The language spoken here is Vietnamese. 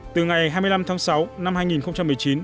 từ ngày hai mươi năm tháng sáu năm hai nghìn một mươi chín